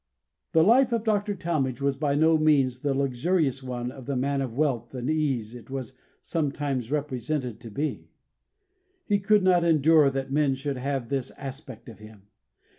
The life of Dr. Talmage was by no means the luxurious one of the man of wealth and ease it was sometimes represented to be. He could not endure that men should have this aspect of him.